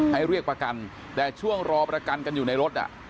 ให้เรียกประกันแต่ช่วงรอประกันกันอยู่ในรถ